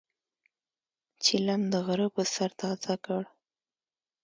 چیلم د غرۀ پۀ سر تازه کړه.